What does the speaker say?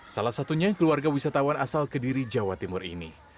salah satunya keluarga wisatawan asal kediri jawa timur ini